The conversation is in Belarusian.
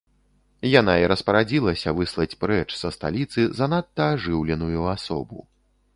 Яна і распарадзілася выслаць прэч са сталіцы занадта ажыўленую асобу.